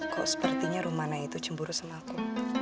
kok sepertinya rumahnya itu cemburu sama aku